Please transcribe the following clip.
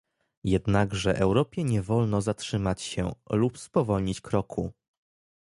Jednakże Europie nie wolno zatrzymać się, lub spowolnić kroku